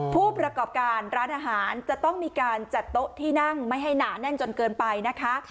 ผู้ประกอบการร้านอาหารจะต้องมีการจัดโต๊ะที่นั่งไม่ให้หนาแน่นจนเกินไปนะคะ